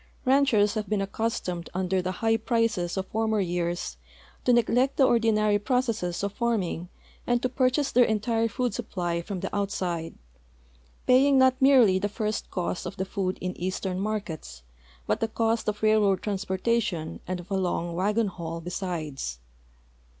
Ranchers have been accustomed under the high prices of former years to neglect the ordinary proce.sses of farming and to purchase their entire food sui)[>ly from the outside, paying not merely the first cost of the food in eastern markets, but the cost of railroad transportation and of a long wagon haul besides.